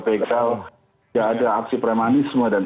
pkl tidak ada aksi premanisme dan